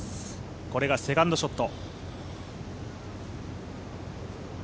これがセカンドショット。